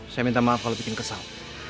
saya minta maaf kalau bikin kesal